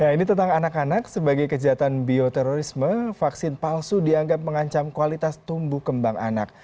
ini tentang anak anak sebagai kejahatan bioterorisme vaksin palsu dianggap mengancam kualitas tumbuh kembang anak